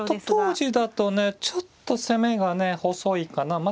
当時だとねちょっと攻めがね細いかな。